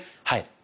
はい。